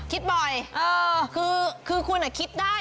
คิดบ่อยคือคุณคิดได้